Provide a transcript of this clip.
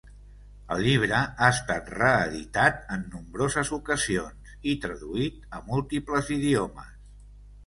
El llibre ha estat reeditat en nombroses ocasions i traduït a múltiples idiomes.